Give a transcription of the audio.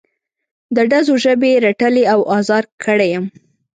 د ډزو ژبې رټلی او ازار کړی یم.